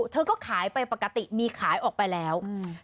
เธอก็ขายไปปกติมีขายออกไปแล้วอืม